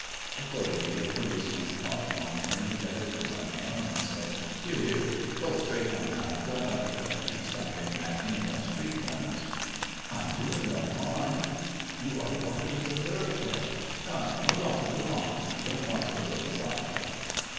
Accordingly, a policeman caught Juan energetically by the arm and said, "Here, here! go straight home now, and don't let me catch you stopping at any more street corners." "I'm doing no harm!" "You are blocking the thoroughfare. Come, move on, move on, if you don't want to go to the lock up."